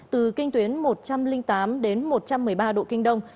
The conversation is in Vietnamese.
từ kinh tuyến một trăm linh tám đến một trăm một mươi ba độ kinh đông